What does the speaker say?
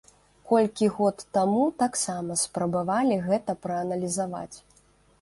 Колькі год таму таксама спрабавалі гэта прааналізаваць.